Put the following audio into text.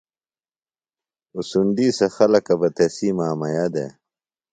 اُڅنڈی سے خلکہ بہ تسی مامئیہ دےۡ